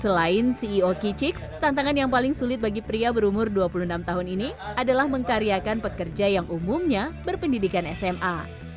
selain ceo kicix tantangan yang paling sulit bagi pria berumur dua puluh enam tahun ini adalah mengkaryakan pekerja yang umumnya berpendidikan sma